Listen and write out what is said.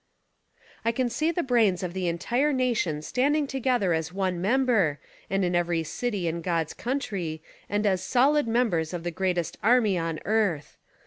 I can see the brains of the entire nation standing together as one member, and in every city in "God's" country and as solid members of the greatest army on earth.